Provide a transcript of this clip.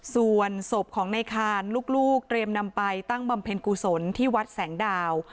ส่วนศพของในคานลูกเตรียมนำไปตั้งบำเพ็ญกุศลที่วัดแสงดาว